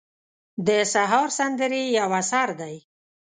د سهار سندرې یو اثر دی.